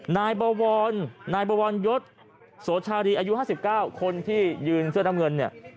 นายบวรนายบวรยศโสชารีอายุ๕๙คนที่ยืนเสื้อน้ำเงินเนี่ย